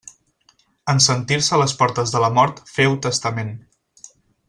En sentir-se a les portes de la mort féu testament.